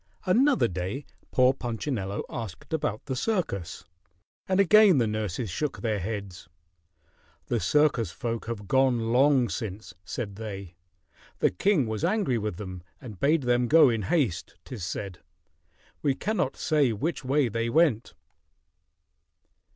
Another day poor Punchinello asked about the circus, and again the nurses shook their heads. "The circus folk have gone long since," said they. "The king was angry with them and bade them go in haste, 'tis said. We cannot say which way they went."